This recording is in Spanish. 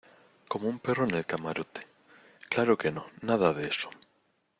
como un perro en el camarote. claro que no, nada de eso .